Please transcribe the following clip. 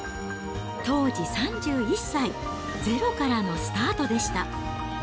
当時３１歳、ゼロからのスタートでした。